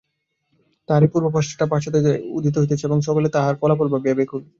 তাহারই পূর্বাভাসচ্ছটা পাশ্চাত্য জগতে ধীরে ধীরে উদিত হইতেছে এবং সকলে তাহার ফলাফল ভাবিয়া ব্যাকুল।